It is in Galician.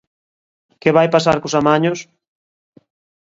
Que vai pasar cos amaños?